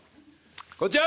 こんちは！